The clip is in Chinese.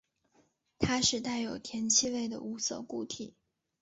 它是带有甜气味的无色固体。